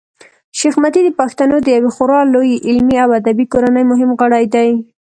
شېخ متي د پښتنو د یوې خورا لويي علمي او ادبي کورنۍمهم غړی دﺉ.